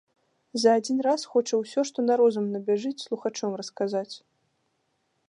За адзін раз хоча ўсё, што на розум набяжыць, слухачом расказаць.